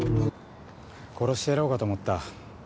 殺してやろうかと思った。